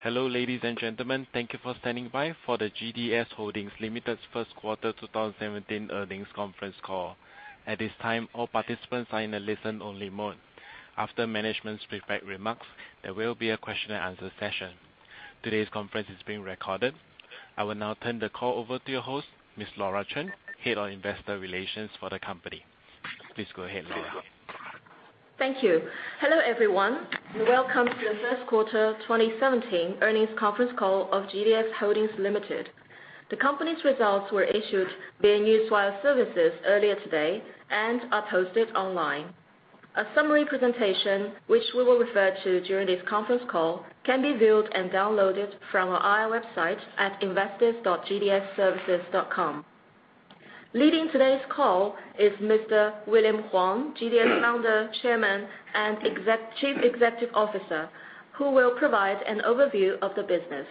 Hello, ladies and gentlemen. Thank you for standing by for the GDS Holdings Limited's first quarter 2017 earnings conference call. At this time, all participants are in a listen-only mode. After management's prepared remarks, there will be a question and answer session. Today's conference is being recorded. I will now turn the call over to your host, Ms. Laura Chen, Head of Investor Relations for the company. Please go ahead, Laura. Thank you. Hello, everyone, and welcome to the first quarter 2017 earnings conference call of GDS Holdings Limited. The company's results were issued via Newswire Services earlier today and are posted online. A summary presentation, which we will refer to during this conference call, can be viewed and downloaded from our IR website at investors.gds-services.com. Leading today's call is Mr. William Huang, GDS Founder, Chairman, and Chief Executive Officer, who will provide an overview of the business.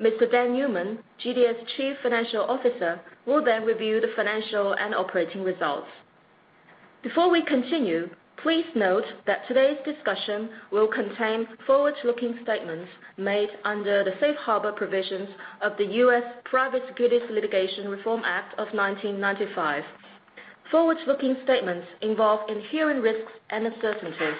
Mr. Daniel Newman, GDS Chief Financial Officer, will then review the financial and operating results. Before we continue, please note that today's discussion will contain forward-looking statements made under the Safe Harbor provisions of the U.S. Private Securities Litigation Reform Act of 1995. Forward-looking statements involve inherent risks and uncertainties.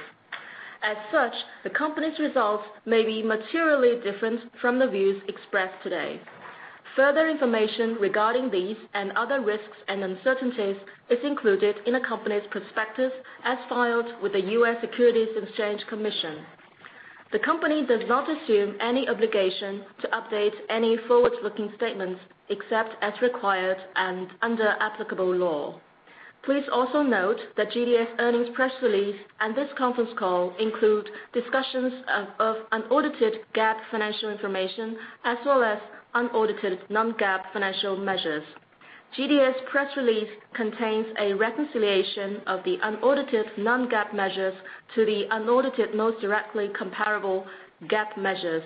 As such, the company's results may be materially different from the views expressed today. Further information regarding these and other risks and uncertainties is included in the company's prospectus as filed with the U.S. Securities and Exchange Commission. The company does not assume any obligation to update any forward-looking statements except as required and under applicable law. Please also note that GDS earnings press release and this conference call include discussions of unaudited GAAP financial information as well as unaudited non-GAAP financial measures. GDS press release contains a reconciliation of the unaudited non-GAAP measures to the unaudited most directly comparable GAAP measures.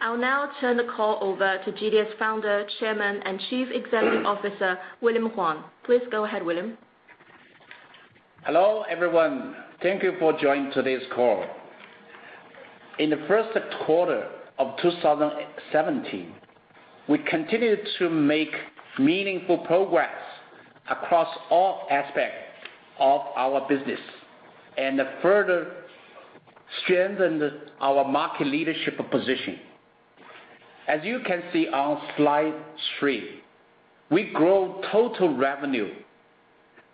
I'll now turn the call over to GDS Founder, Chairman, and Chief Executive Officer, William Huang. Please go ahead, William. Hello, everyone. Thank you for joining today's call. In the first quarter of 2017, we continued to make meaningful progress across all aspects of our business and further strengthened our market leadership position. As you can see on slide three, we grew total revenue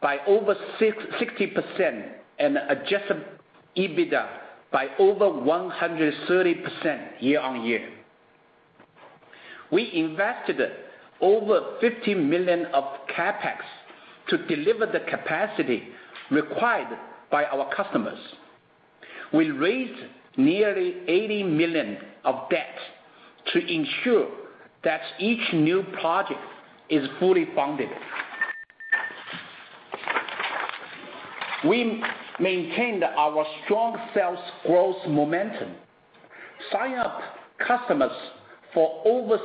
by over 60% and adjusted EBITDA by over 130% year-on-year. We invested over 50 million of CapEx to deliver the capacity required by our customers. We raised nearly 80 million of debt to ensure that each new project is fully funded. We maintained our strong sales growth momentum, signed up customers for over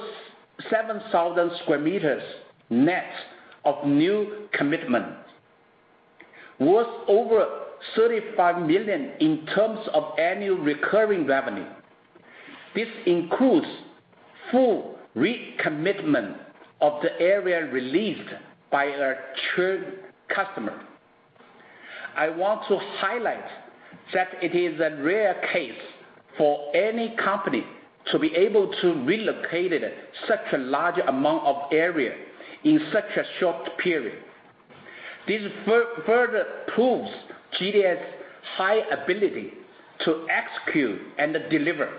7,000 sq m net of new commitment, worth over 35 million in terms of annual recurring revenue. This includes full recommitment of the area released by a churn customer. I want to highlight that it is a rare case for any company to be able to relocate such a large amount of area in such a short period. This further proves GDS's high ability to execute and deliver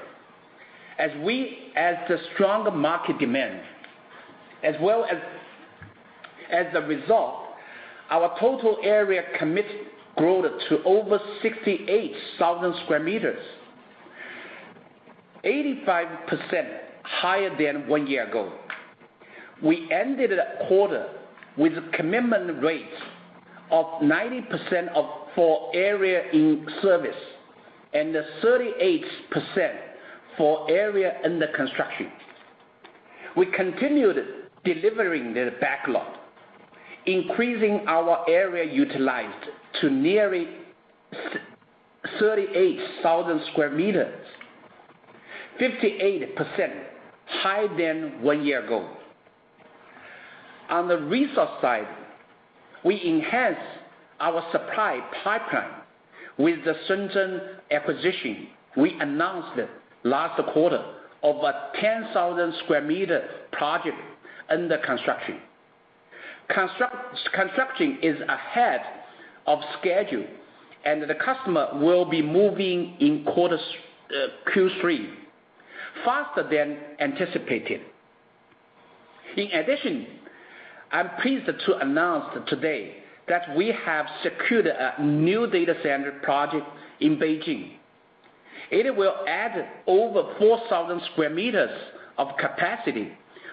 as the strong market demand. As a result, our total area commit grew to over 68,000 sq m, 85% higher than one year ago. We ended the quarter with commitment rates of 90% for area in service and 38% for area under construction. We continued delivering the backlog, increasing our area utilized to nearly 38,000 sq m, 58% higher than one year ago. On the resource side, we enhanced our supply pipeline with the Shenzhen acquisition we announced last quarter of a 10,000 sq m project under construction. Construction is ahead of schedule, and the customer will be moving in Q3, faster than anticipated. In addition, I'm pleased to announce today that we have secured a new data center project in Beijing. It will add over 4,000 sq m of capacity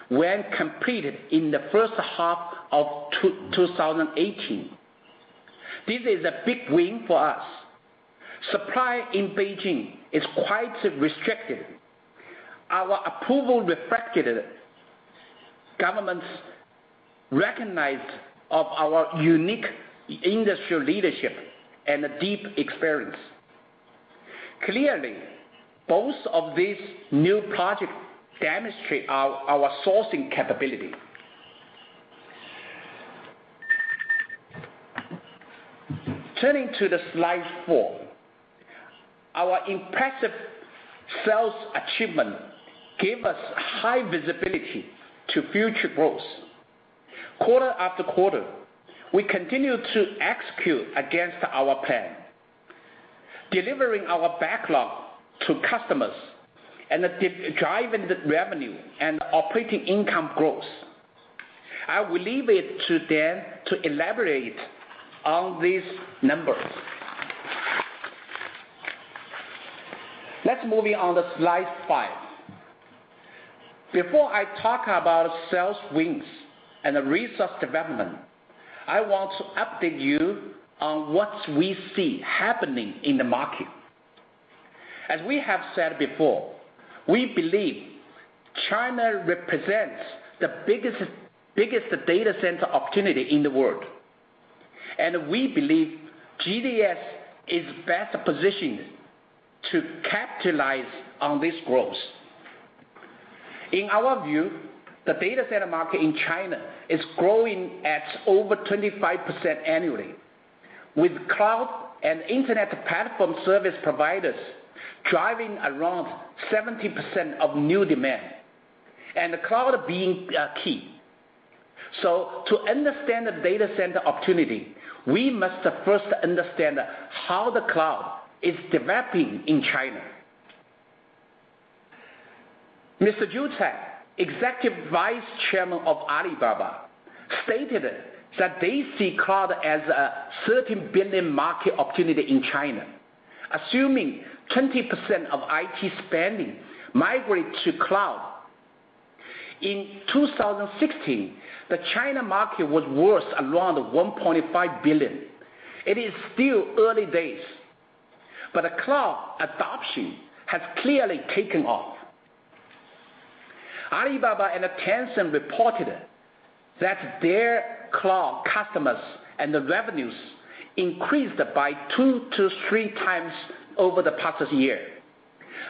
when completed in the first half of 2018. This is a big win for us. Supply in Beijing is quite restricted. Our approval reflected Government's recognition of our unique industry leadership and deep experience. Clearly, both of these new projects demonstrate our sourcing capability. Turning to the slide four. Our impressive sales achievement gave us high visibility to future growth. Quarter after quarter, we continue to execute against our plan, delivering our backlog to customers and driving the revenue and operating income growth. I will leave it to Dan to elaborate on these numbers. Let's moving on to slide five. Before I talk about sales wins and resource development, I want to update you on what we see happening in the market. As we have said before, we believe China represents the biggest data center opportunity in the world, and we believe GDS is best positioned to capitalize on this growth. In our view, the data center market in China is growing at over 25% annually, with cloud and internet platform service providers driving around 70% of new demand, and the cloud being key. To understand the data center opportunity, we must first understand how the cloud is developing in China. Mr. Yu Qiang, Executive Vice Chairman of Alibaba, stated that they see cloud as a 13 billion market opportunity in China, assuming 20% of IT spending migrate to cloud. In 2016, the China market was worth around 1.5 billion. It is still early days, but cloud adoption has clearly taken off. Alibaba and Tencent reported that their cloud customers and the revenues increased by two to three times over the past year.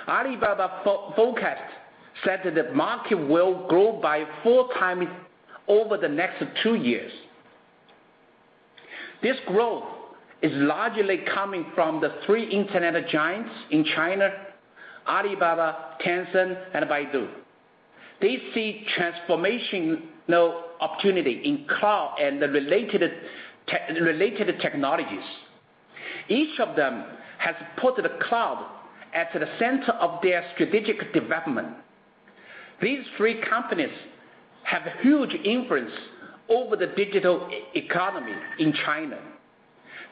Alibaba forecast said that the market will grow by four times over the next two years. This growth is largely coming from the three internet giants in China, Alibaba, Tencent, and Baidu. They see transformational opportunity in cloud and the related technologies. Each of them has put the cloud at the center of their strategic development. These three companies have huge influence over the digital economy in China.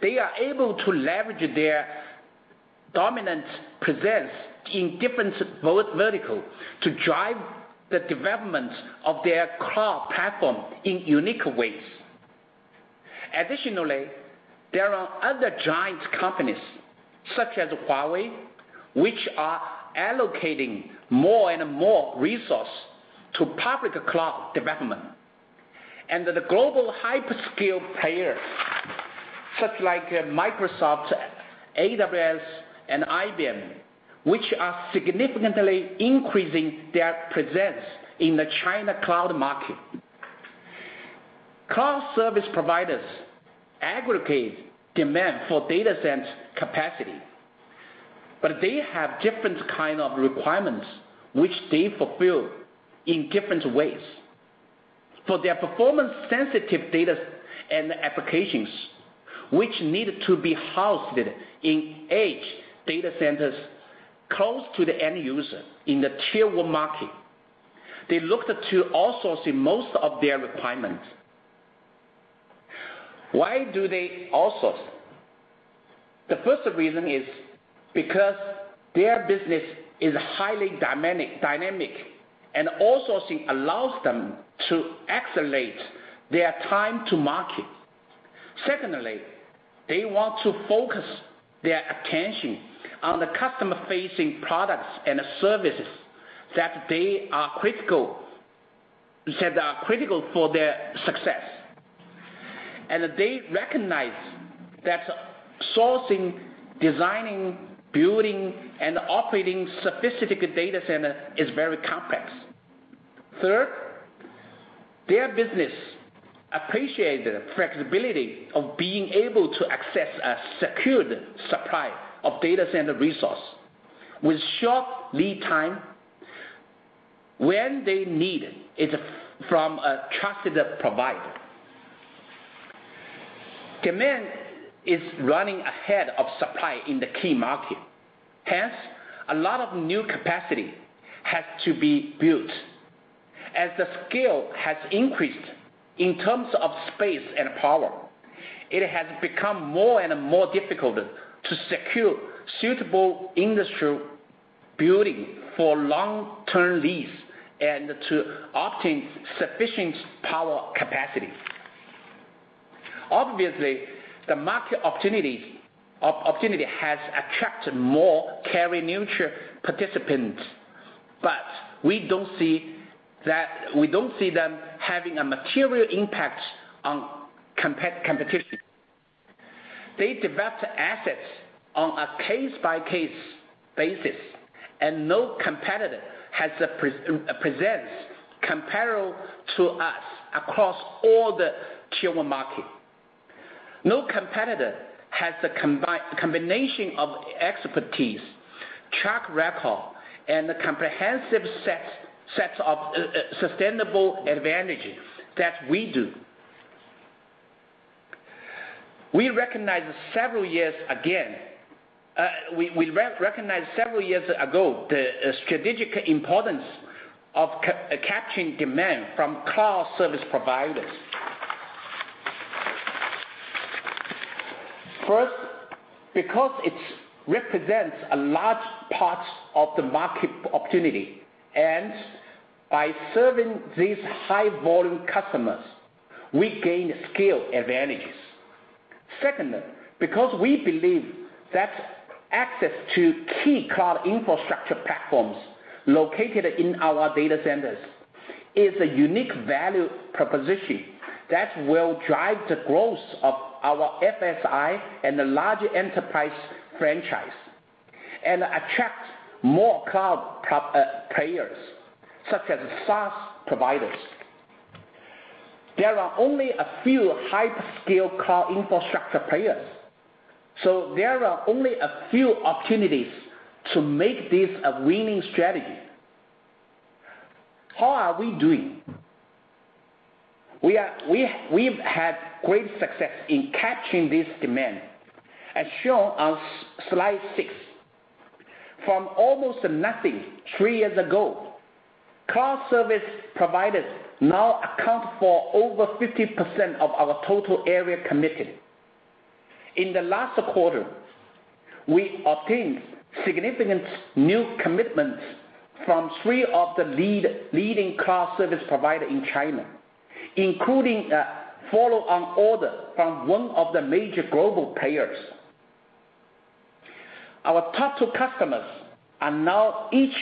They are able to leverage their dominant presence in different vertical to drive the development of their cloud platform in unique ways. Additionally, there are other giant companies, such as Huawei, which are allocating more and more resource to public cloud development. The global hyperscale players such as Microsoft, AWS, and IBM, which are significantly increasing their presence in the China cloud market. Cloud service providers aggregate demand for data center capacity, but they have different kinds of requirements which they fulfill in different ways. For their performance-sensitive data and applications which need to be hosted in edge data centers close to the end user in the Tier 1 market. They look to outsource most of their requirements. Why do they outsource? The first reason is because their business is highly dynamic, and outsourcing allows them to accelerate their time to market. Secondly, they want to focus their attention on the customer-facing products and services that are critical for their success. They recognize that sourcing, designing, building, and operating sophisticated data centers is very complex. Third, their business appreciates the flexibility of being able to access a secured supply of data center resources with short lead time when they need it from a trusted provider. Demand is running ahead of supply in the key markets. Hence, a lot of new capacity has to be built. As the scale has increased in terms of space and power, it has become more and more difficult to secure suitable industrial buildings for long-term lease and to obtain sufficient power capacity. Obviously, the market opportunity has attracted more carrier-neutral participants, but we don't see them having a material impact on competition. They develop assets on a case-by-case basis, and no competitor has a presence comparable to us across all the Tier 1 market. No competitor has the combination of expertise, track record, and the comprehensive sets of sustainable advantages that we do. We recognized several years ago the strategic importance of capturing demand from cloud service providers. First, because it represents a large part of the market opportunity, and by serving these high-volume customers, we gain scale advantages. Second, because we believe that access to key cloud infrastructure platforms located in our data centers is a unique value proposition that will drive the growth of our FSI and the large enterprise franchise, and attract more cloud players such as SaaS providers. There are only a few hyperscale cloud infrastructure players, so there are only a few opportunities to make this a winning strategy. How are we doing? We've had great success in capturing this demand. As shown on slide six. From almost nothing three years ago, cloud service providers now account for over 50% of our total area committed. In the last quarter, we obtained significant new commitments from three of the leading cloud service providers in China, including a follow-on order from one of the major global players. Our top two customers are now each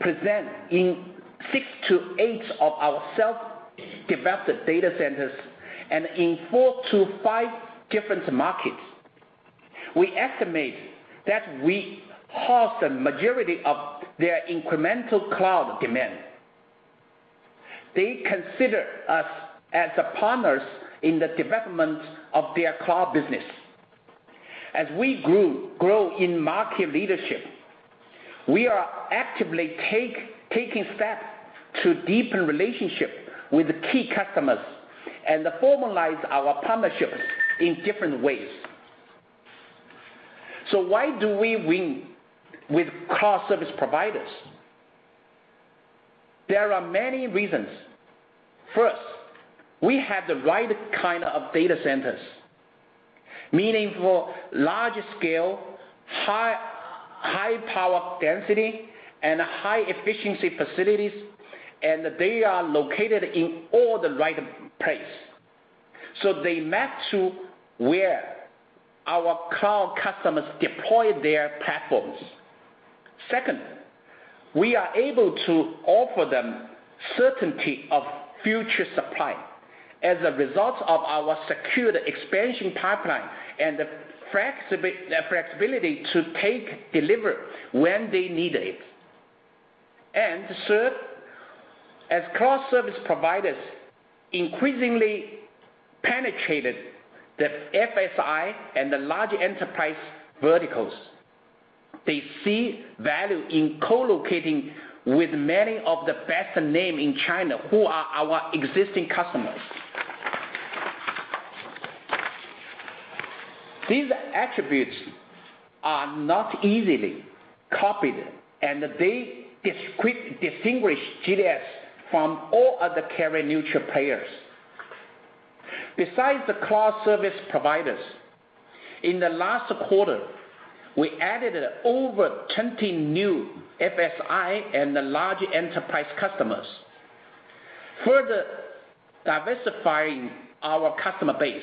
present in six to eight of our self-developed data centers and in four to five different markets. We estimate that we host the majority of their incremental cloud demand. They consider us as partners in the development of their cloud business. As we grow in market leadership, we are actively taking steps to deepen relationships with key customers and formalize our partnerships in different ways. Why do we win with cloud service providers? There are many reasons. First, we have the right kind of data centers, meaning for large-scale, high-power density, and high-efficiency facilities, and they are located in all the right places. They match to where our cloud customers deploy their platforms. Second, we are able to offer them certainty of future supply as a result of our secured expansion pipeline and the flexibility to take delivery when they need it. Third, as cloud service providers increasingly penetrated the FSI and the large enterprise verticals, they see value in co-locating with many of the best names in China who are our existing customers. These attributes are not easily copied, and they distinguish GDS from all other carrier-neutral players. Besides the cloud service providers, in the last quarter, we added over 20 new FSI and large enterprise customers, further diversifying our customer base.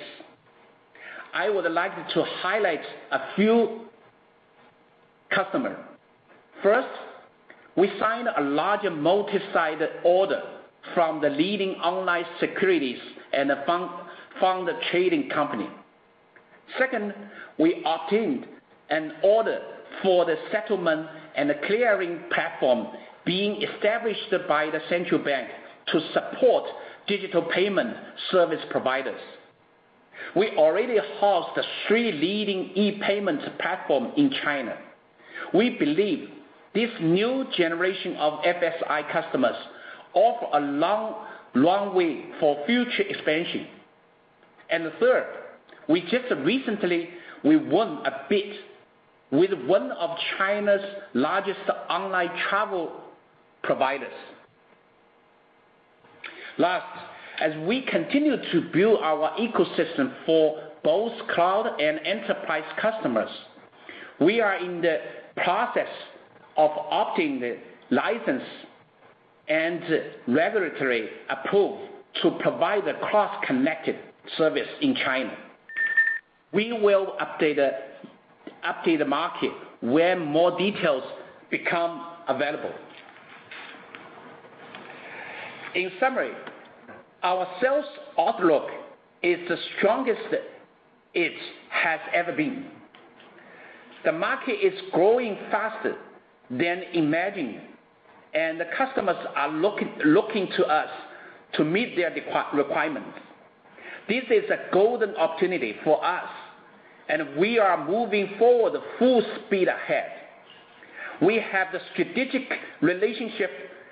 I would like to highlight a few customers. First, we signed a large multi-site order from the leading online securities and fund trading company. Second, we obtained an order for the settlement and clearing platform being established by the central bank to support digital payment service providers. We already host the three leading e-payment platform in China. We believe this new generation of FSI customers offer a long way for future expansion. Third, we just recently won a bid with one of China's largest online travel providers. Last, as we continue to build our ecosystem for both cloud and enterprise customers, we are in the process of obtaining the license and regulatory approved to provide the cross-connected service in China. We will update the market when more details become available. In summary, our sales outlook is the strongest it has ever been. The market is growing faster than imagined, and the customers are looking to us to meet their requirements. This is a golden opportunity for us, and we are moving forward full speed ahead. We have the strategic relationship,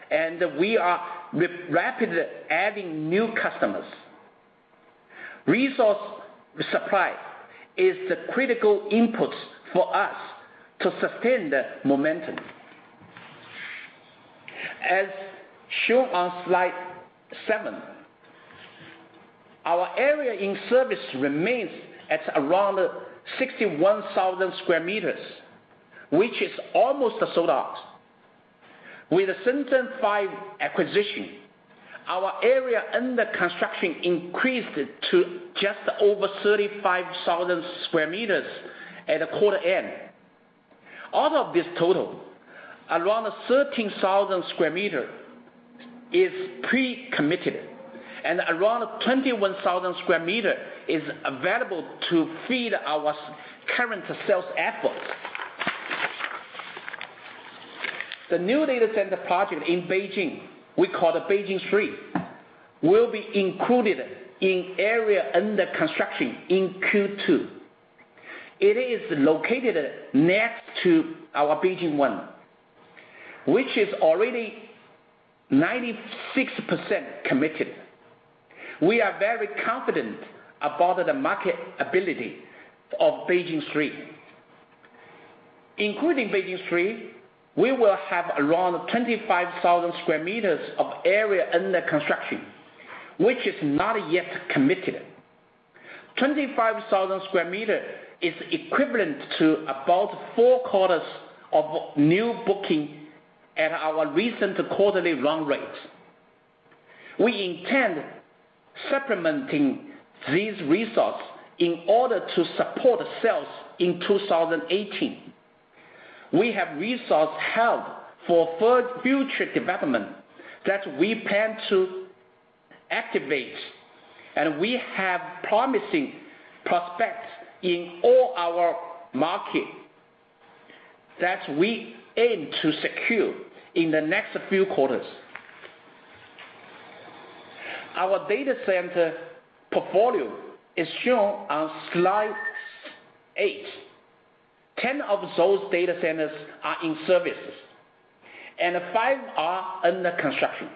and we are rapidly adding new customers. Resource supply is the critical input for us to sustain the momentum. As shown on slide seven, our area in service remains at around 61,000 sq m, which is almost sold out. With the Shenzhen five acquisition, our area under construction increased to just over 35,000 sq m at the quarter end. Out of this total, around 13,000 sq m is pre-committed and around 21,000 sq m is available to feed our current sales effort. The new data center project in Beijing, we call the Beijing Three, will be included in area under construction in Q2. It is located next to our Beijing One, which is already 96% committed. We are very confident about the market ability of Beijing Three. Including Beijing Three, we will have around 25,000 sq m of area under construction, which is not yet committed. 25,000 sq m is equivalent to about four quarters of new booking at our recent quarterly run rate. We intend supplementing these resources in order to support sales in 2018. We have resource held for future development that we plan to activate, and we have promising prospects in all our market that we aim to secure in the next few quarters. Our data center portfolio is shown on slide eight. 10 of those data centers are in services, and five are under construction.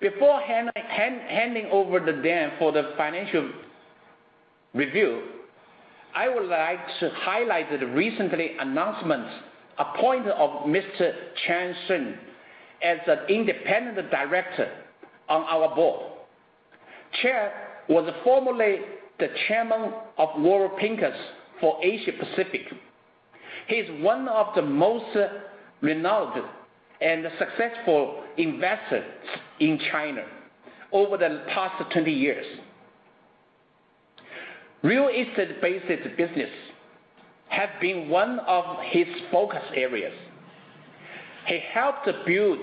Beforehand handing over to Dan for the financial review, I would like to highlight the recent announcement appoint of Mr. Chang Sun as an Independent Director on our board. Chang was formerly the Chairman of Warburg Pincus for Asia Pacific. He's one of the most renowned and successful investors in China over the past 20 years. Real estate-based business has been one of his focus areas. He helped build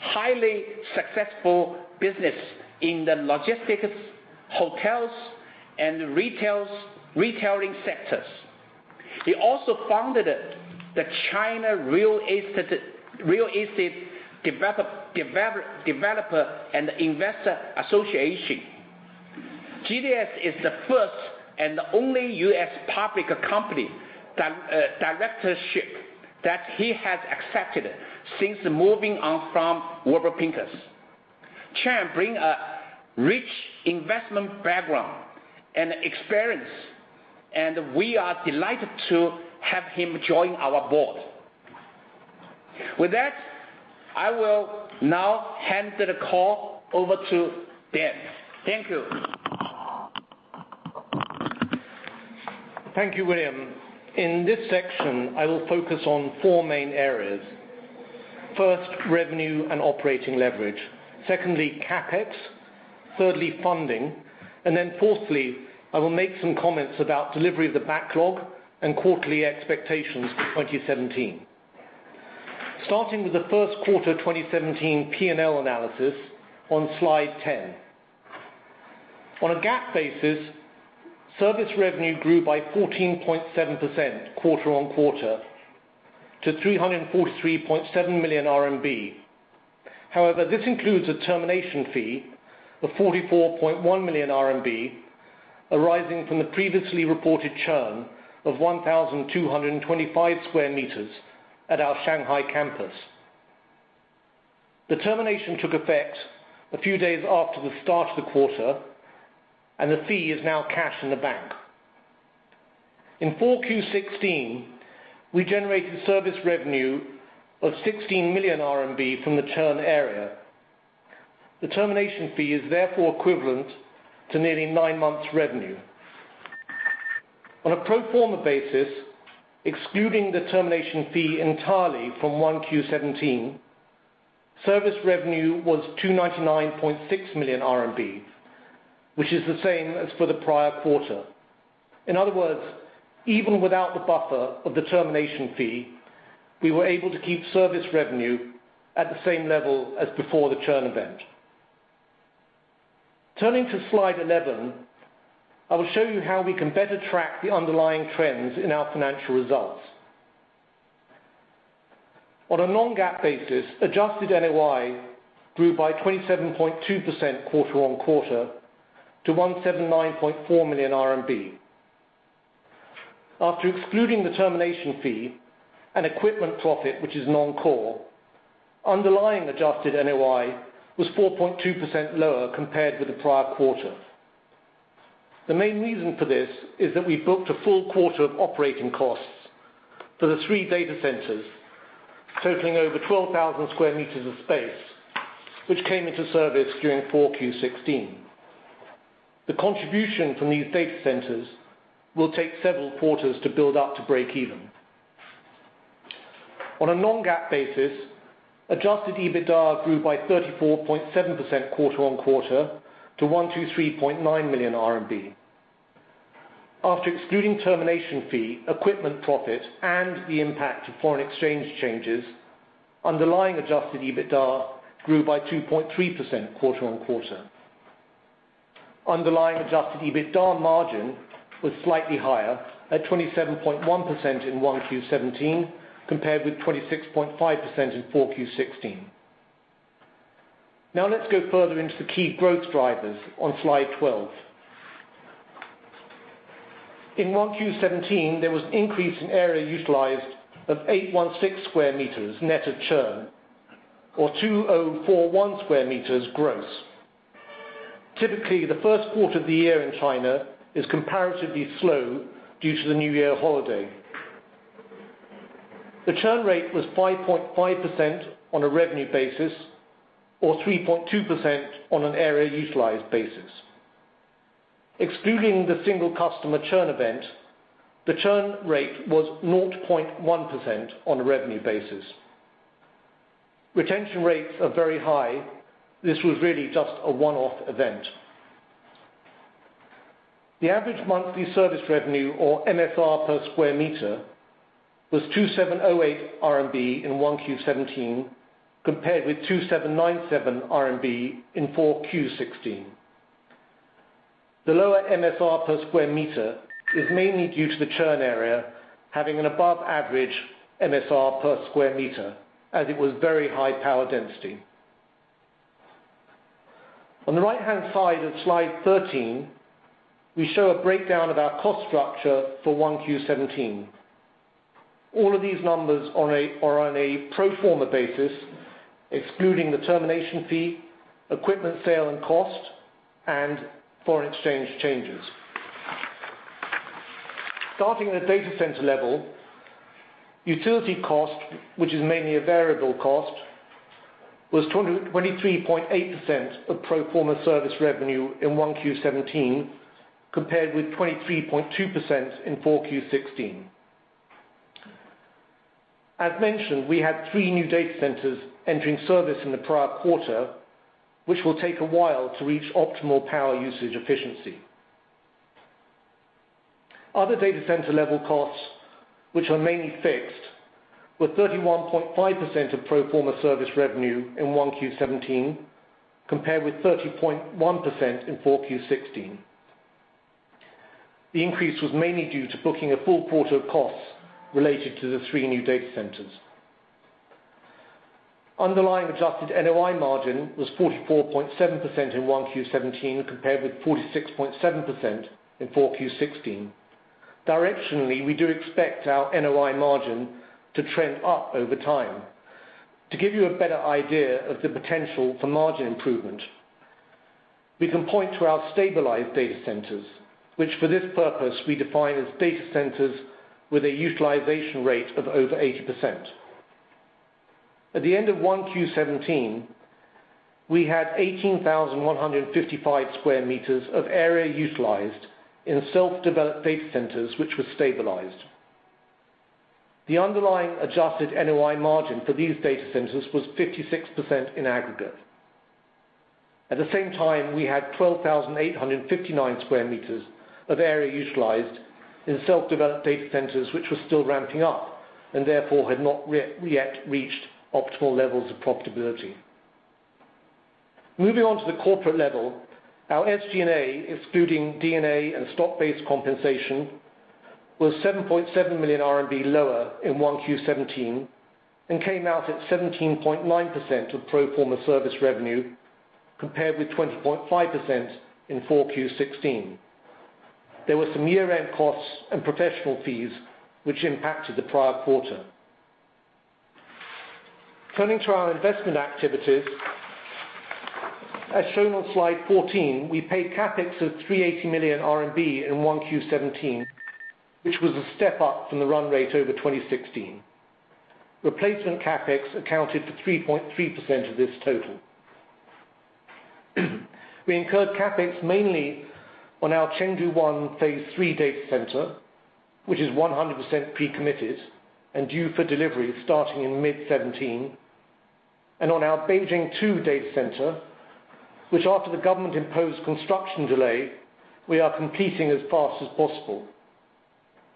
highly successful business in the logistics, hotels, and retailing sectors. He also founded the China Real Estate Developers and Investors Association. GDS is the first and only U.S. public company directorship that he has accepted since moving on from Warburg Pincus. Chang Sun brings a rich investment background and experience, and we are delighted to have him join our board. With that, I will now hand the call over to Dan. Thank you. Thank you, William. In this section, I will focus on four main areas. First, revenue and operating leverage. Secondly, CapEx. Thirdly, funding. Fourthly, I will make some comments about delivery of the backlog and quarterly expectations for 2017. Starting with the first quarter 2017 P&L analysis on slide 10. On a GAAP basis, service revenue grew by 14.7% quarter-on-quarter to 343.7 million RMB. However, this includes a termination fee of 44.1 million RMB arising from the previously reported churn of 1,225 sq m at our Shanghai campus. The termination took effect a few days after the start of the quarter, and the fee is now cash in the bank. In 4Q16, we generated service revenue of 16 million RMB from the churn area. The termination fee is therefore equivalent to nearly 9 months revenue. On a pro forma basis, excluding the termination fee entirely from 1Q17, service revenue was 299.6 million RMB, which is the same as for the prior quarter. In other words, even without the buffer of the termination fee, we were able to keep service revenue at the same level as before the churn event. Turning to slide 11, I will show you how we can better track the underlying trends in our financial results. On a non-GAAP basis, adjusted NOI grew by 27.2% quarter-on-quarter to RMB 179.4 million. After excluding the termination fee and equipment profit, which is non-core, underlying adjusted NOI was 4.2% lower compared with the prior quarter. The main reason for this is that we booked a full quarter of operating costs for the three data centers, totaling over 12,000 sq m of space, which came into service during 4Q16. The contribution from these data centers will take several quarters to build up to break even. On a non-GAAP basis, adjusted EBITDA grew by 34.7% quarter-on-quarter to RMB 123.9 million. After excluding termination fee, equipment profit, and the impact of foreign exchange changes, underlying adjusted EBITDA grew by 2.3% quarter-on-quarter. Underlying adjusted EBITDA margin was slightly higher at 27.1% in 1Q17, compared with 26.5% in 4Q16. Now let's go further into the key growth drivers on slide 12. In 1Q17, there was an increase in area utilized of 816 sq m net of churn, or 2,041 sq m gross. Typically, the first quarter of the year in China is comparatively slow due to the New Year holiday. The churn rate was 5.5% on a revenue basis or 3.2% on an area utilized basis. Excluding the single customer churn event, the churn rate was 0.1% on a revenue basis. Retention rates are very high. This was really just a one-off event. The average monthly service revenue, or MSR, per square meter was 2,708 RMB in 1Q17, compared with 2,797 RMB in 4Q16. The lower MSR per square meter is mainly due to the churn area having an above average MSR per square meter, as it was very high power density. On the right-hand side of slide 13, we show a breakdown of our cost structure for 1Q17. All of these numbers are on a pro forma basis, excluding the termination fee, equipment sale and cost, and foreign exchange changes. Starting at a data center level, utility cost, which is mainly a variable cost, was 223.8% of pro forma service revenue in 1Q17, compared with 23.2% in 4Q16. As mentioned, we had three new data centers entering service in the prior quarter, which will take a while to reach optimal power usage efficiency. Other data center level costs, which are mainly fixed, were 31.5% of pro forma service revenue in 1Q17, compared with 30.1% in 4Q16. The increase was mainly due to booking a full quarter of costs related to the three new data centers. Underlying adjusted NOI margin was 44.7% in 1Q17, compared with 46.7% in 4Q16. Directionally, we do expect our NOI margin to trend up over time. To give you a better idea of the potential for margin improvement, we can point to our stabilized data centers, which for this purpose we define as data centers with a utilization rate of over 80%. At the end of 1Q17, we had 18,155 square meters of area utilized in self-developed data centers, which were stabilized. The underlying adjusted NOI margin for these data centers was 56% in aggregate. At the same time, we had 12,859 square meters of area utilized in self-developed data centers, which were still ramping up, and therefore had not yet reached optimal levels of profitability. Moving on to the corporate level, our SG&A, excluding D&A and stock-based compensation, was 7.7 million RMB lower in 1Q17 and came out at 17.9% of pro forma service revenue, compared with 20.5% in 4Q16. There were some year-end costs and professional fees which impacted the prior quarter. Turning to our investment activities, as shown on slide 14, we paid CapEx of 380 million RMB in 1Q17, which was a step up from the run rate over 2016. Replacement CapEx accounted for 3.3% of this total. We incurred CapEx mainly on our Chengdu One phase 3 data center, which is 100% pre-committed and due for delivery starting in mid 2017, and on our Beijing Two data center, which after the government imposed construction delay, we are completing as fast as possible.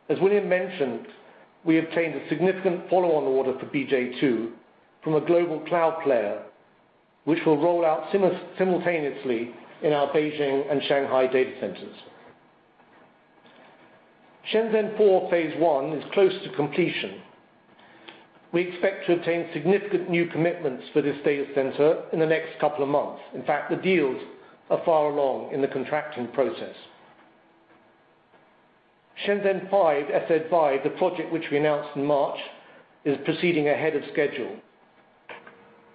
As William mentioned, we obtained a significant follow-on order for BJ Two from a global cloud player, which will roll out simultaneously in our Beijing and Shanghai data centers. Shenzhen Four phase 1 is close to completion. We expect to obtain significant new commitments for this data center in the next couple of months. In fact, the deals are far along in the contracting process. Shenzhen Five, SZ Five, the project which we announced in March, is proceeding ahead of schedule.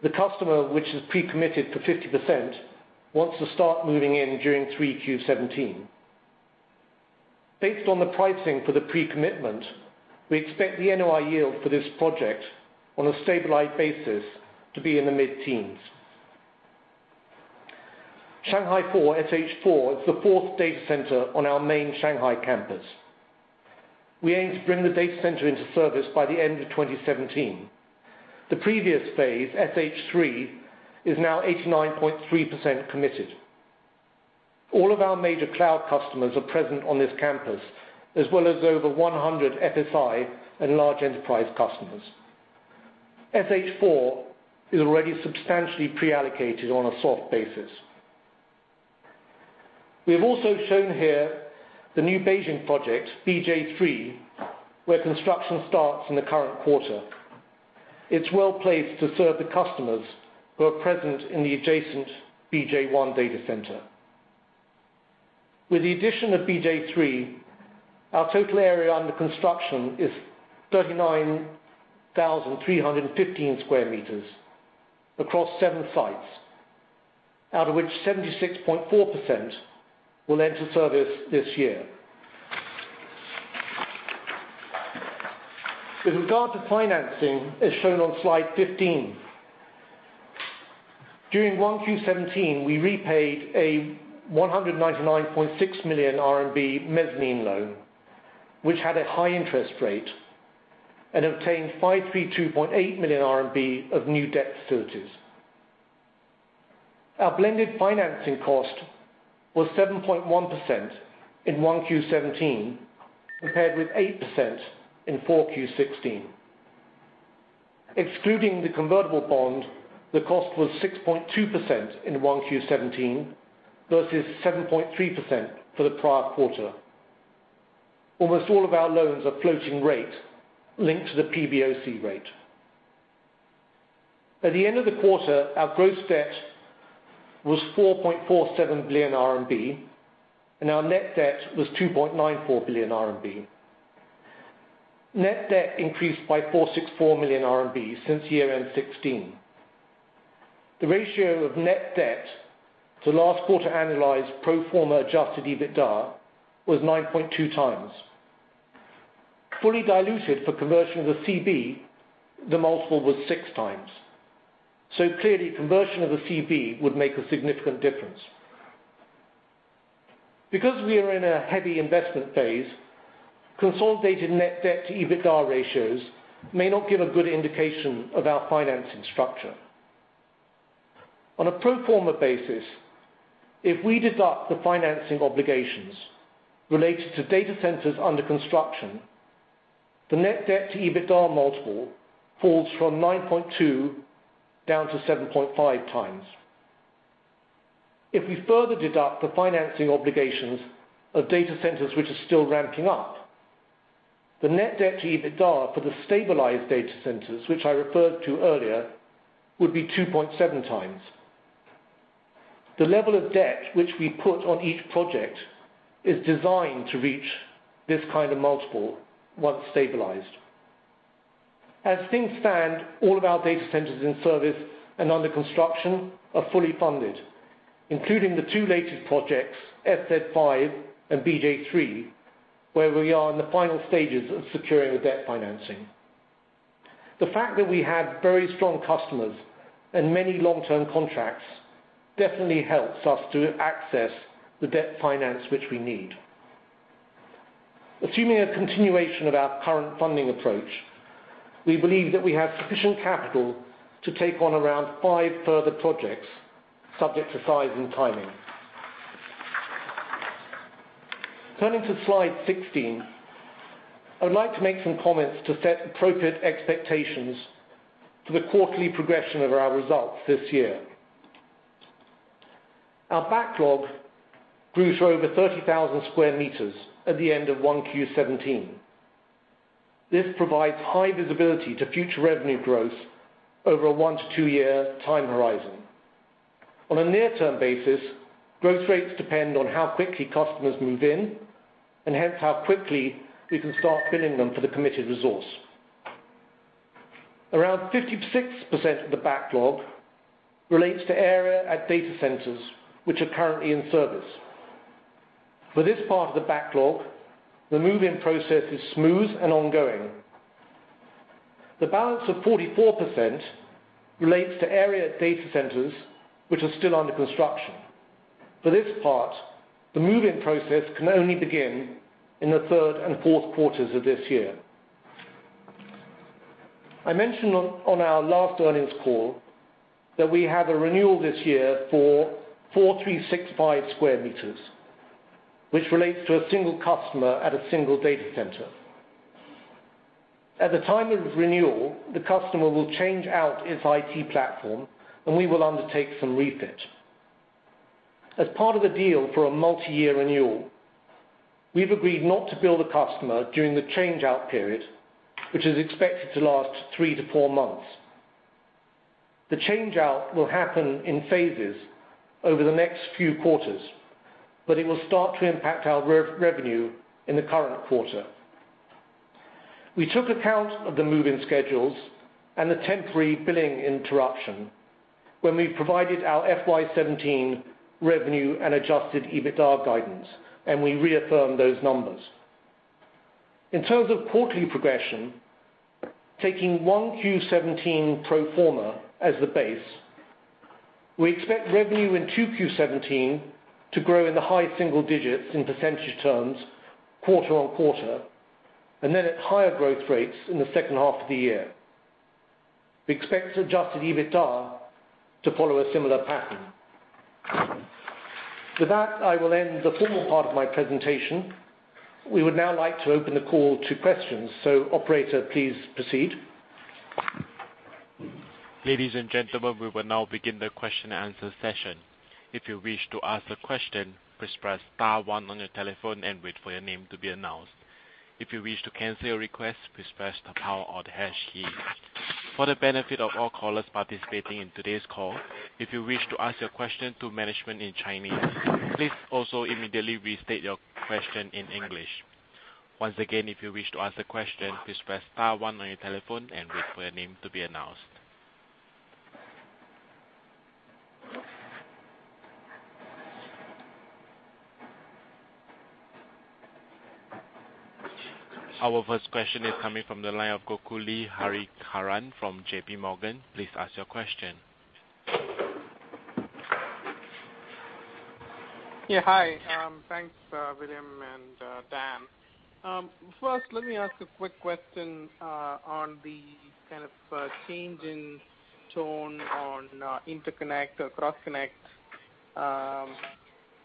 The customer, which is pre-committed for 50%, wants to start moving in during 3Q17. Based on the pricing for the pre-commitment, we expect the NOI yield for this project on a stabilized basis to be in the mid-teens. Shanghai 4, SH 4, is the fourth data center on our main Shanghai campus. We aim to bring the data center into service by the end of 2017. The previous phase, SH 3, is now 89.3% committed. All of our major cloud customers are present on this campus, as well as over 100 FSI and large enterprise customers. SH 4 is already substantially pre-allocated on a soft basis. We have also shown here the new Beijing project, BJ 3, where construction starts in the current quarter. It's well-placed to serve the customers who are present in the adjacent BJ 1 data center. With the addition of BJ 3, our total area under construction is 39,315 sq m across 7 sites, out of which 76.4% will enter service this year. With regard to financing, as shown on slide 15, during 1Q17, we repaid a 199.6 million RMB mezzanine loan, which had a high interest rate, and obtained 532.8 million RMB of new debt facilities. Our blended financing cost was 7.1% in 1Q17, compared with 8% in 4Q16. Excluding the convertible bond, the cost was 6.2% in 1Q17 versus 7.3% for the prior quarter. Almost all of our loans are floating rate linked to the PBOC rate. At the end of the quarter, our gross debt was 4.47 billion RMB, and our net debt was 2.94 billion RMB. Net debt increased by 464 million RMB since year-end 2016. The ratio of net debt to last quarter annualized pro forma adjusted EBITDA was 9.2x. Fully diluted for conversion of the CB, the multiple was 6x. Clearly, conversion of the CB would make a significant difference. Because we are in a heavy investment phase, consolidated net debt to EBITDA ratios may not give a good indication of our financing structure. On a pro forma basis, if we deduct the financing obligations related to data centers under construction, the net debt to EBITDA multiple falls from 9.2 down to 7.5x. If we further deduct the financing obligations of data centers which are still ramping up, the net debt to EBITDA for the stabilized data centers, which I referred to earlier, would be 2.7x. The level of debt which we put on each project is designed to reach this kind of multiple once stabilized. As things stand, all of our data centers in service and under construction are fully funded, including the 2 latest projects, SZ 5 and BJ 3, where we are in the final stages of securing the debt financing. The fact that we have very strong customers and many long-term contracts definitely helps us to access the debt finance which we need. Assuming a continuation of our current funding approach, we believe that we have sufficient capital to take on around 5 further projects, subject to size and timing. Turning to slide 16, I would like to make some comments to set appropriate expectations for the quarterly progression of our results this year. Our backlog grew to over 30,000 sq m at the end of 1Q17. This provides high visibility to future revenue growth over a one to two year time horizon. On a near-term basis, growth rates depend on how quickly customers move in, hence, how quickly we can start billing them for the committed resource. Around 56% of the backlog relates to area at data centers, which are currently in service. For this part of the backlog, the move-in process is smooth and ongoing. The balance of 44% relates to area data centers which are still under construction. For this part, the move-in process can only begin in the third and fourth quarters of this year. I mentioned on our last earnings call that we have a renewal this year for 4,365 sq m, which relates to a single customer at a single data center. At the time of renewal, the customer will change out its IT platform and we will undertake some refit. As part of the deal for a multi-year renewal, we've agreed not to bill the customer during the change-out period, which is expected to last three to four months. The change-out will happen in phases over the next few quarters, it will start to impact our revenue in the current quarter. We took account of the move-in schedules and the temporary billing interruption when we provided our FY 2017 revenue and adjusted EBITDA guidance. We reaffirm those numbers. In terms of quarterly progression, taking 1Q17 pro forma as the base, we expect revenue in 2Q17 to grow in the high single digits in % terms quarter-on-quarter, then at higher growth rates in the second half of the year. We expect adjusted EBITDA to follow a similar pattern. With that, I will end the formal part of my presentation. We would now like to open the call to questions. Operator, please proceed. Ladies and gentlemen, we will now begin the question and answer session. If you wish to ask a question, please press star one on your telephone and wait for your name to be announced. If you wish to cancel your request, please press the pound or the hash key. For the benefit of all callers participating in today's call, if you wish to ask your question to management in Chinese, please also immediately restate your question in English. Once again, if you wish to ask a question, please press star one on your telephone and wait for your name to be announced. Our first question is coming from the line of Gokul Hariharan from J.P. Morgan. Please ask your question. Yeah, hi. Thanks, William and Dan. First, let me ask a quick question on the kind of change in tone on interconnect or cross-connect.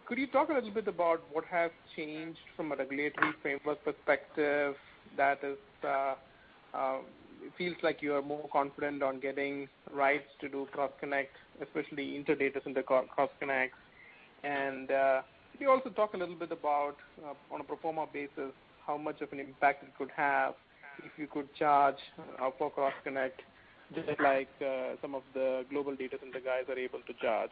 Could you talk a little bit about what have changed from a regulatory framework perspective that is, it feels like you are more confident on getting rights to do cross-connect, especially inter-data center cross-connect. Could you also talk a little bit about, on a pro forma basis, how much of an impact it could have if you could charge for cross-connect, just like some of the global data center guys are able to charge?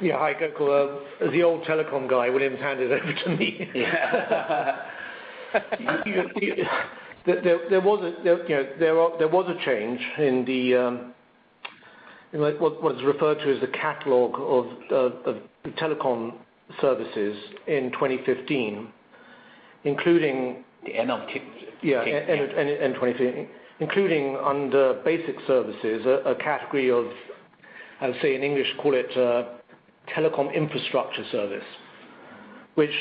Yeah. Hi, Gokul. The old telecom guy, William will hand it over to me. Yeah. There was a change in what was referred to as the catalog of the telecom services in 2015, including. The end of 2015. End 2015. Including under basic services, a category of, I would say in English call it telecom infrastructure service. Which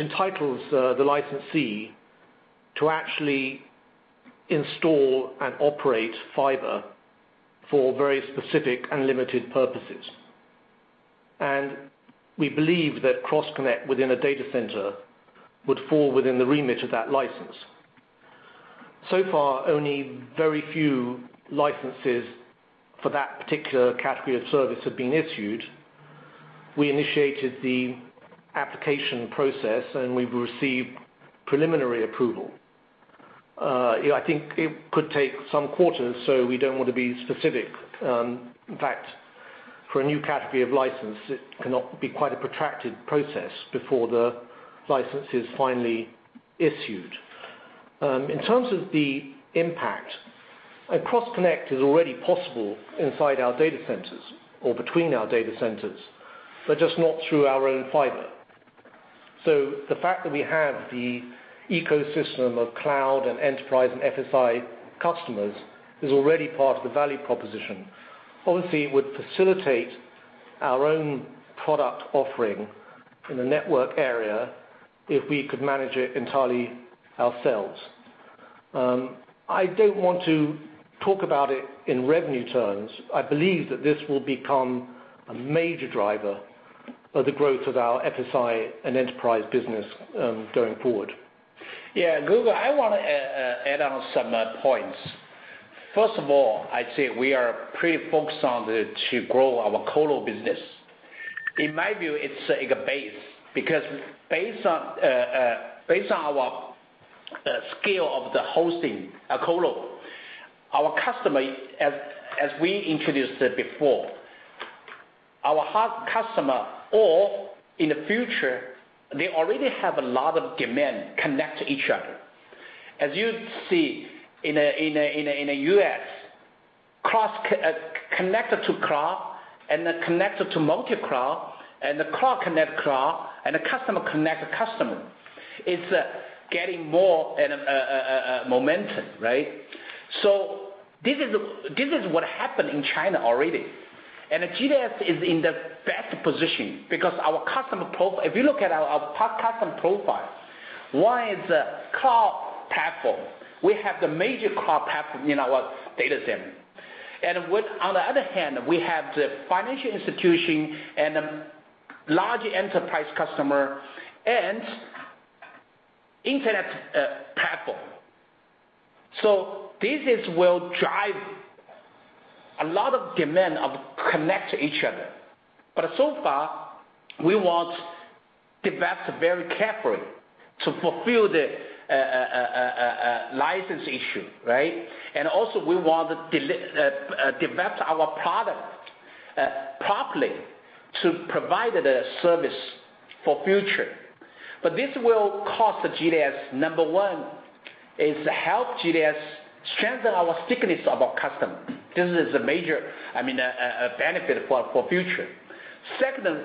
entitles the licensee to actually install and operate fiber for very specific and limited purposes. We believe that cross-connect within a data center would fall within the remit of that license. So far, only very few licenses for that particular category of service have been issued. We initiated the application process, and we've received preliminary approval. I think it could take some quarters, so we don't want to be specific. In fact, for a new category of license, it cannot be quite a protracted process before the license is finally issued. In terms of the impact, a cross-connect is already possible inside our data centers or between our data centers, but just not through our own fiber. The fact that we have the ecosystem of cloud and enterprise and FSI customers is already part of the value proposition. Obviously, it would facilitate our own product offering in the network area if we could manage it entirely ourselves. I don't want to talk about it in revenue terms. I believe that this will become a major driver of the growth of our FSI and enterprise business going forward. Gokul, I want to add on some points. First of all, I'd say we are pretty focused on to grow our colo business. In my view, it's a base, because based on our scale of the hosting a colo, our customer, as we introduced before, our hub customer, or in the future, they already have a lot of demand connect to each other. As you see in the U.S. Cross connected to cloud, and then connected to multi-cloud, and the cloud connect cloud, and the customer connect customer. It's getting more momentum, right? This is what happened in China already. GDS is in the best position because our customer profile, if you look at our customer profile, one is a cloud platform. We have the major cloud platform in our data center. On the other hand, we have the financial institution and the large enterprise customer and internet platform. This will drive a lot of demand of connect to each other. So far, we want develop very carefully to fulfill the license issue, right? Also we want to develop our product properly to provide the service for future. This will cost the GDS, number one, is help GDS strengthen our stickiness of our customer. This is a major benefit for future. Second,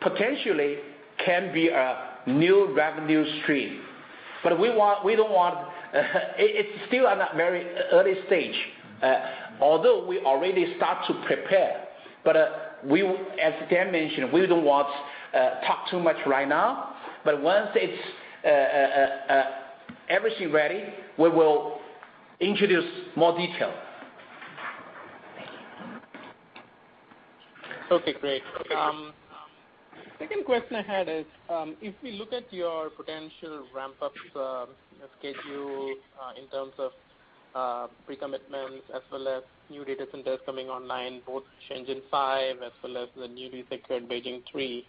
potentially can be a new revenue stream. It's still at a very early stage. Although we already start to prepare. As Dan mentioned, we don't want to talk too much right now, but once everything ready, we will introduce more detail. Thank you. Okay, great. Okay. Second question I had is, if we look at your potential ramp-ups schedule, in terms of pre-commitments as well as new data centers coming online, both Shenzhen 5 as well as the newly secured Beijing 3.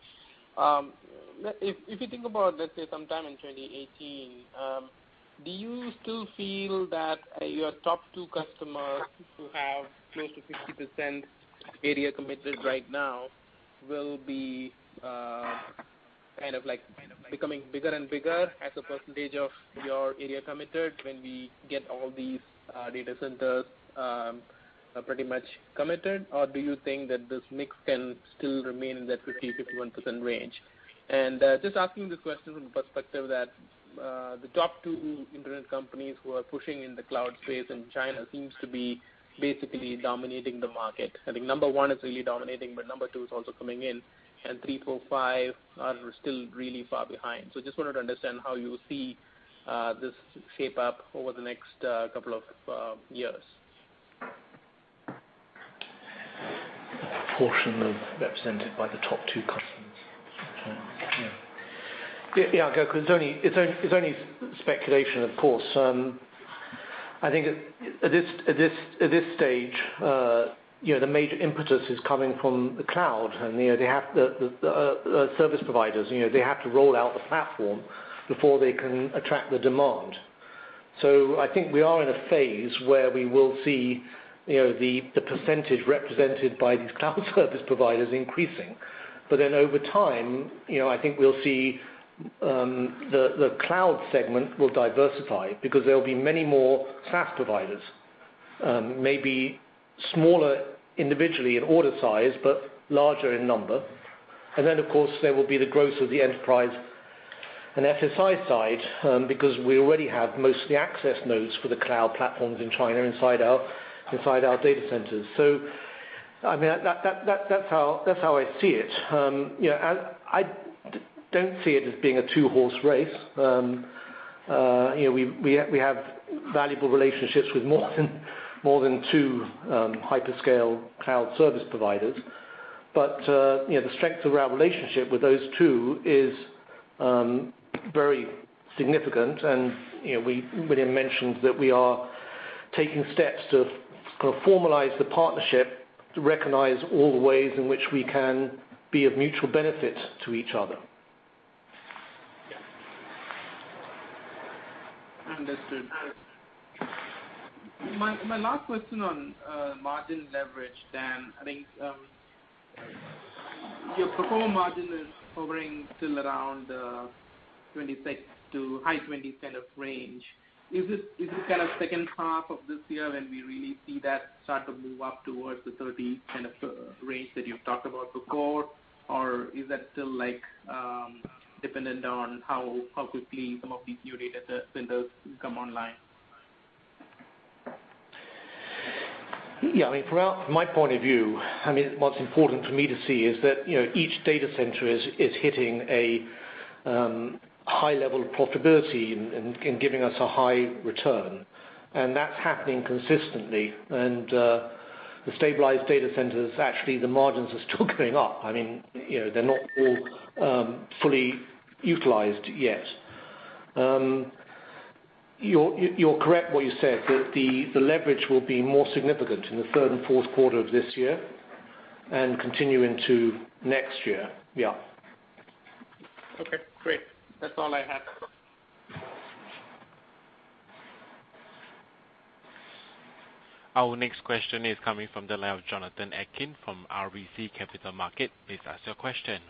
If you think about, let's say, sometime in 2018, do you still feel that your top two customers who have close to 50% area committed right now will be becoming bigger and bigger as a percentage of your area committed when we get all these data centers pretty much committed? Or do you think that this mix can still remain in that 50, 51% range? Just asking this question from the perspective that the top two internet companies who are pushing in the cloud space in China seems to be basically dominating the market. I think number 1 is really dominating, number 2 is also coming in, three, four, five are still really far behind. Just wanted to understand how you see this shape up over the next couple of years. The portion represented by the top two customers. Yeah. Gokul, it's only speculation, of course. At this stage the major impetus is coming from the cloud, and the service providers, they have to roll out the platform before they can attract the demand. We are in a phase where we will see the percentage represented by these cloud service providers increasing. Over time, we'll see the cloud segment will diversify because there'll be many more SaaS providers. Maybe smaller individually in order size, but larger in number. Of course, there will be the growth of the enterprise and FSI side, because we already have most of the access nodes for the cloud platforms in China inside our data centers. That's how I see it. I don't see it as being a two-horse race. We have valuable relationships with more than two hyperscale cloud service providers. The strength of our relationship with those two is very significant and William mentioned that we are taking steps to formalize the partnership to recognize all the ways in which we can be of mutual benefit to each other. Yeah. Understood. My last question on margin leverage, Dan. Your pro forma margin is hovering still around 26% to high 20% of range. Is this kind of second half of this year when we really see that start to move up towards the 30% kind of range that you've talked about before? Is that still dependent on how quickly some of these new data centers come online? From my point of view, what's important for me to see is that each data center is hitting a high level of profitability and giving us a high return. That's happening consistently. The stabilized data centers, actually, the margins are still going up. They're not all fully utilized yet. You're correct what you said, that the leverage will be more significant in the third and fourth quarter of this year and continue into next year. Okay, great. That's all I had. Our next question is coming from the line of Jonathan Atkin from RBC Capital Markets. Please ask your question.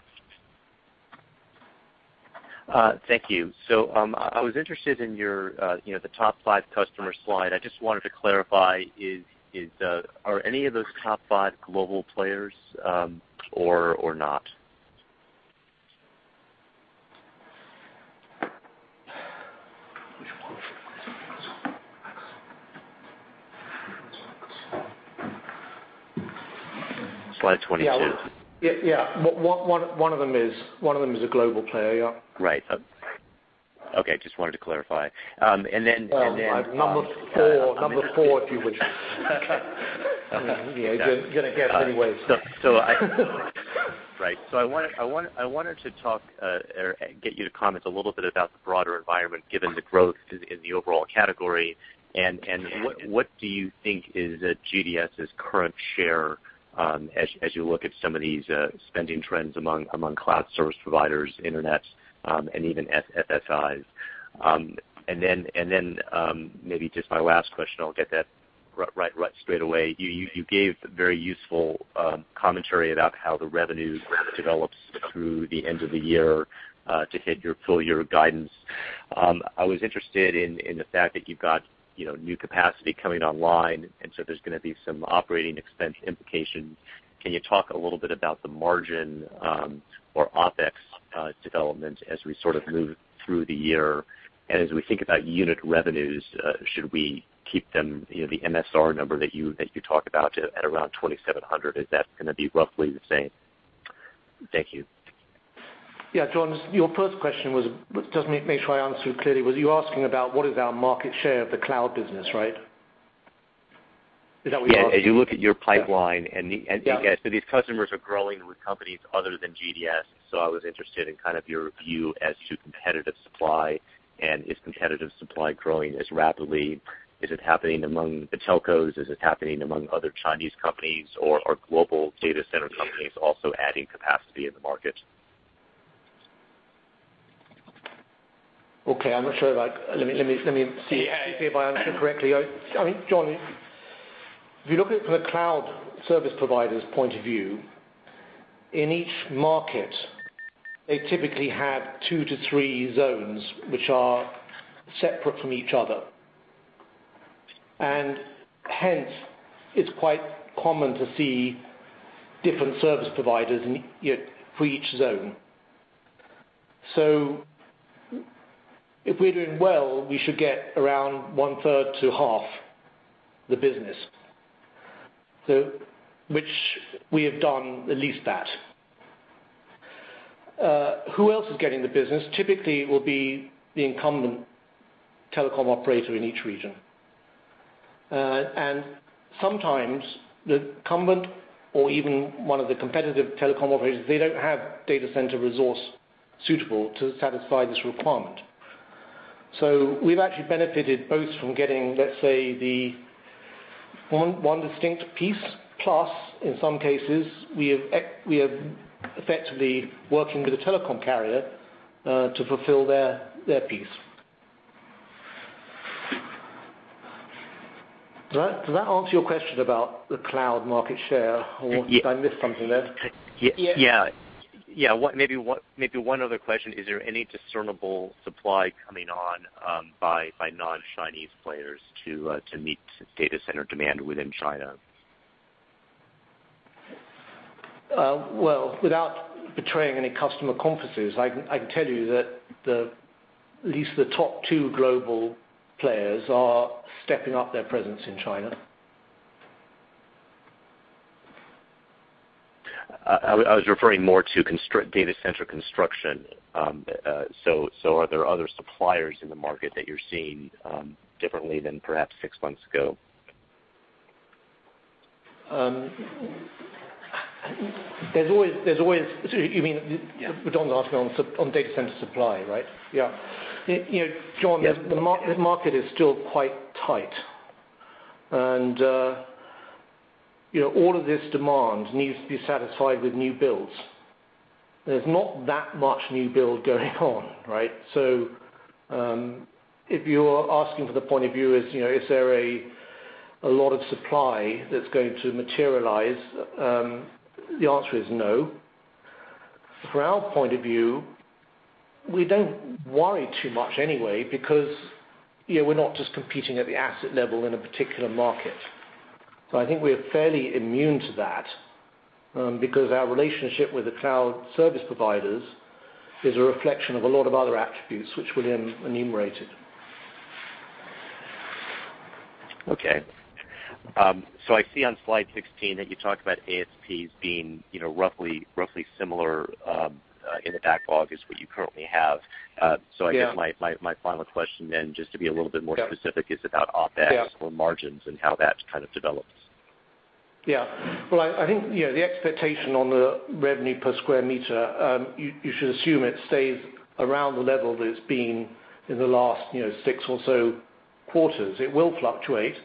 Thank you. I was interested in the top five customer slide. I just wanted to clarify, are any of those top five global players or not? Which one? Slide 22. Yeah. One of them is a global player, yeah. Right. Okay. Just wanted to clarify. Number four, if you would. You're going to guess anyway, so. Right. I wanted to talk, or get you to comment a little bit about the broader environment, given the growth in the overall category. What do you think is GDS' current share, as you look at some of these spending trends among cloud service providers, internets, and even FSIs? Maybe just my last question, I'll get that right straight away. You gave very useful commentary about how the revenue develops through the end of the year to hit your full year guidance. I was interested in the fact that you've got new capacity coming online, and so there's going to be some operating expense implication. Can you talk a little bit about the margin or OpEx development as we sort of move through the year? As we think about unit revenues, should we keep them, the MSR number that you talked about at around 2,700. Is that going to be roughly the same? Thank you. Yeah. John, your first question was. Just make sure I answer clearly. Was you asking about what is our market share of the cloud business, right? Is that what you're asking? Yeah. As you look at your pipeline. Yeah. These customers are growing with companies other than GDS. I was interested in kind of your view as to competitive supply, and is competitive supply growing as rapidly? Is it happening among the telcos? Is it happening among other Chinese companies or are global data center companies also adding capacity in the market? Okay. I'm not sure about. Let me see if I answered correctly. John, if you look at it from a cloud service provider's point of view, in each market, they typically have two to three zones which are separate from each other. Hence, it's quite common to see different service providers for each zone. If we're doing well, we should get around one third to half the business. Which we have done at least that. Who else is getting the business? Typically, it will be the incumbent telecom operator in each region. Sometimes the incumbent or even one of the competitive telecom operators, they don't have data center resource suitable to satisfy this requirement. We've actually benefited both from getting, let's say, the one distinct piece plus, in some cases, we are effectively working with a telecom carrier, to fulfill their piece. Did that answer your question about the cloud market share, or did I miss something there? Yeah. Maybe one other question. Is there any discernible supply coming on by non-Chinese players to meet data center demand within China? Well, without betraying any customer confidences, I can tell you that at least the top two global players are stepping up their presence in China. I was referring more to data center construction. Are there other suppliers in the market that you're seeing differently than perhaps six months ago? You mean, John's asking on data center supply, right? Yeah. Yes The market is still quite tight. All of this demand needs to be satisfied with new builds. There's not that much new build going on, right? If you are asking for the point of view is there a lot of supply that's going to materialize? The answer is no. From our point of view, we don't worry too much anyway because we're not just competing at the asset level in a particular market. I think we're fairly immune to that, because our relationship with the cloud service providers is a reflection of a lot of other attributes which William enumerated. Okay. I see on slide 16 that you talked about ASPs being roughly similar, in the backlog as what you currently have. Yeah. I guess my final question then, just to be a little bit more specific, is about OpEx- Yeah or margins and how that kind of develops. Yeah. Well, I think the expectation on the revenue per square meter, you should assume it stays around the level that it's been in the last six or so quarters. It will fluctuate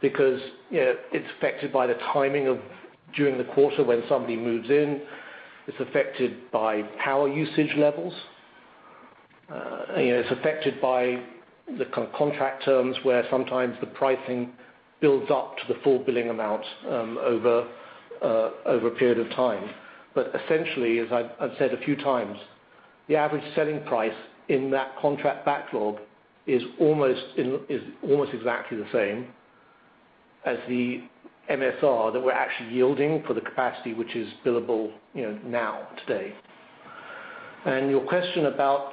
because it's affected by the timing during the quarter when somebody moves in. It's affected by power usage levels. It's affected by the contract terms, where sometimes the pricing builds up to the full billing amount over a period of time. Essentially, as I've said a few times, the average selling price in that contract backlog is almost exactly the same as the MSR that we're actually yielding for the capacity which is billable now, today. Your question about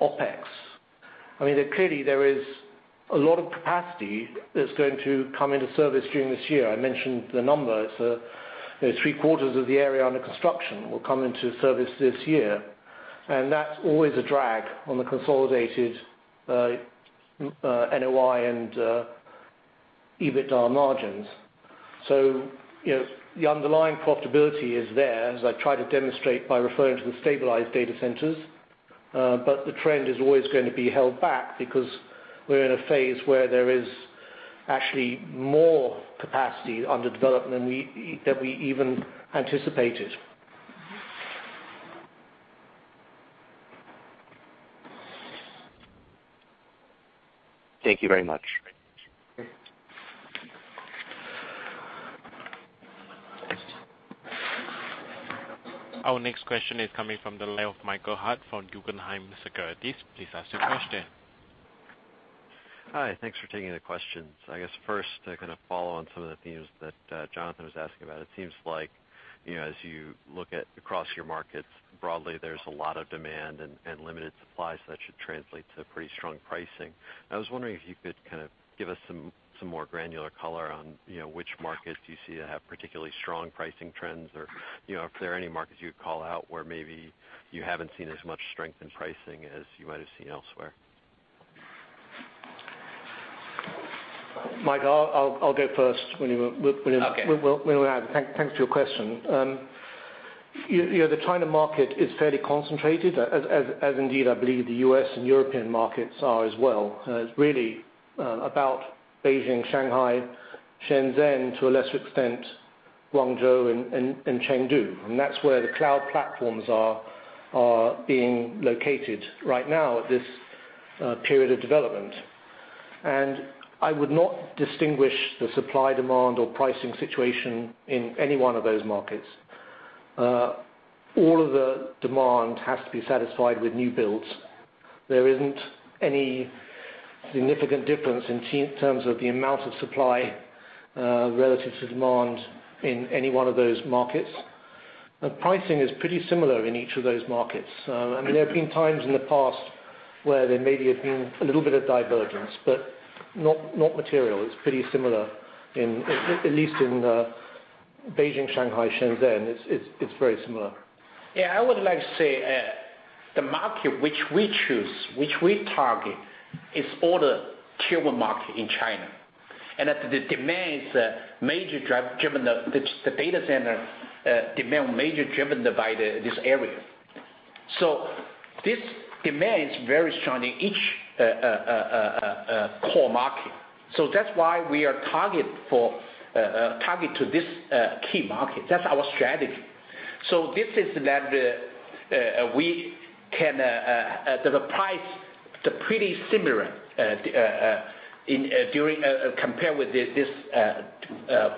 OpEx. Clearly, there is a lot of capacity that's going to come into service during this year. I mentioned the number, three-quarters of the area under construction will come into service this year, and that's always a drag on the consolidated NOI and EBITDA margins. The underlying profitability is there, as I try to demonstrate by referring to the stabilized data centers. The trend is always going to be held back because we're in a phase where there is actually more capacity under development than we even anticipated. Thank you very much. Okay. Our next question is coming from the line of Michael Hart from Guggenheim Securities. Please ask your question. Hi. Thanks for taking the questions. I guess first, kind of follow on some of the themes that Jonathan was asking about. It seems like, as you look at across your markets broadly, there's a lot of demand and limited supply, that should translate to pretty strong pricing. I was wondering if you could kind of give us some more granular color on which markets do you see that have particularly strong pricing trends or if there are any markets you would call out where maybe you haven't seen as much strength in pricing as you might have seen elsewhere. Mike, I'll go first. Okay Thanks for your question. The China market is fairly concentrated, as indeed I believe the U.S. and European markets are as well. It's really about Beijing, Shanghai, Shenzhen, to a lesser extent, Guangzhou and Chengdu. That's where the cloud platforms are being located right now at this period of development. I would not distinguish the supply, demand, or pricing situation in any one of those markets. All of the demand has to be satisfied with new builds. There isn't any significant difference in terms of the amount of supply relative to demand in any one of those markets. The pricing is pretty similar in each of those markets. There have been times in the past where there maybe have been a little bit of divergence, but not material. It's pretty similar, at least in Beijing, Shanghai, Shenzhen. It's very similar. I would like to say the market which we choose, which we target, is all the Tier 1 market in China, and the demand is major driven, the data center demand driven by this area. This demand is very strong in each core market. That's why we are target to this key market. That's our strategy. This is that the price is pretty similar compared with this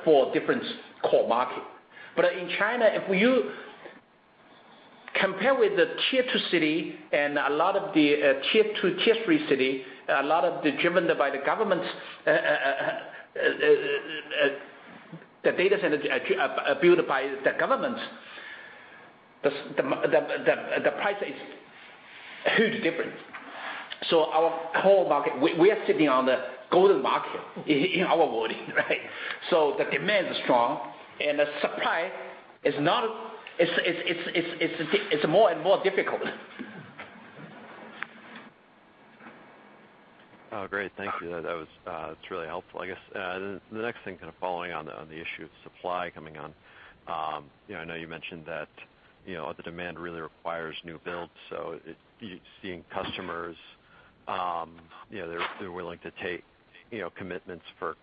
four different core market. In China, if you compare with the Tier 2 city and a lot of the Tier 3 city, a lot of driven by the governments, the data center built by the government, the price is huge different. Our core market, we are sitting on the golden market in our world. The demand is strong, and the supply is more and more difficult. Great. Thank you. That was really helpful. I guess the next thing kind of following on the issue of supply coming on, I know you mentioned that the demand really requires new builds, so you're seeing customers, they're willing to take commitments for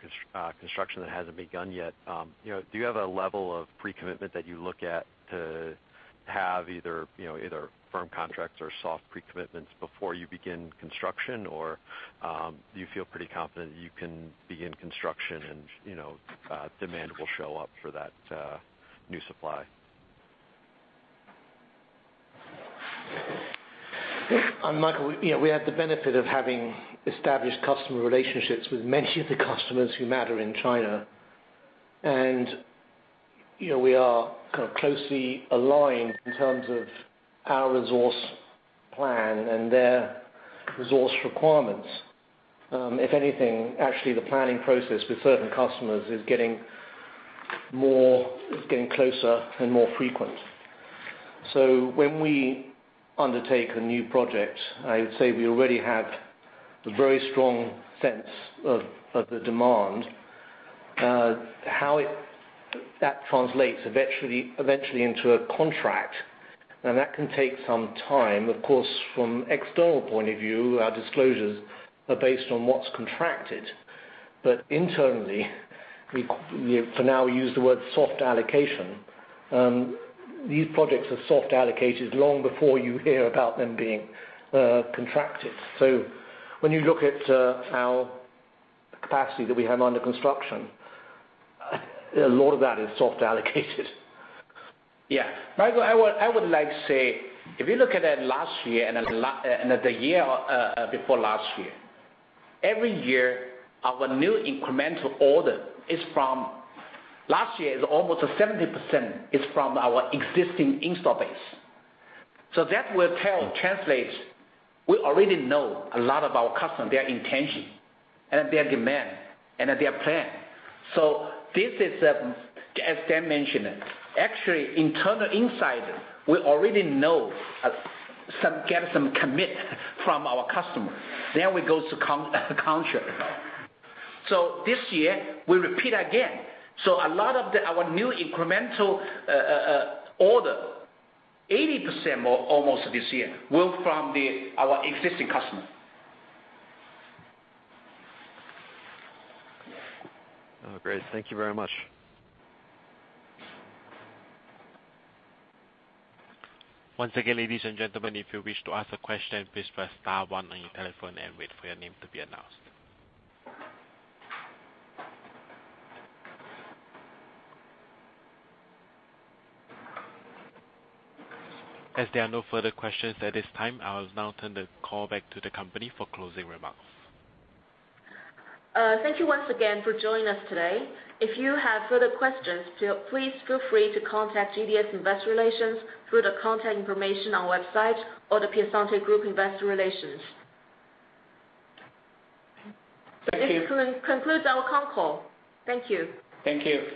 construction that hasn't begun yet. Do you have a level of pre-commitment that you look at to have either firm contracts or soft pre-commitments before you begin construction, or do you feel pretty confident you can begin construction, and demand will show up for that new supply? Michael, we have the benefit of having established customer relationships with many of the customers who matter in China. We are kind of closely aligned in terms of our resource plan and their resource requirements. If anything, actually, the planning process with certain customers is getting closer and more frequent. When we undertake a new project, I would say we already have a very strong sense of the demand. How that translates eventually into a contract, now that can take some time. Of course, from external point of view, our disclosures are based on what's contracted. Internally, for now, we use the word soft allocation. These projects are soft allocated long before you hear about them being contracted. When you look at our capacity that we have under construction, a lot of that is soft allocated. Michael, I would like to say, if you look at last year and at the year before last year, every year, our new incremental order, last year is almost 70%, is from our existing install base. That will translate. We already know a lot of our customers, their intention and their demand, and their plan. This is, as Dan mentioned, actually internal insight. We already get some commit from our customers. We go to contract. This year, we repeat again. A lot of our new incremental order, 80% almost this year, were from our existing customers. Great. Thank you very much. Once again, ladies and gentlemen, if you wish to ask a question, please press star one on your telephone and wait for your name to be announced. As there are no further questions at this time, I'll now turn the call back to the company for closing remarks. Thank you once again for joining us today. If you have further questions, please feel free to contact GDS Investor Relations through the contact information on our website or The Piacente Group Investor Relations. Thank you. This concludes our call. Thank you. Thank you.